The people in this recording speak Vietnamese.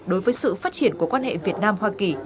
đối với sự phát triển của quan hệ việt nam hoa kỳ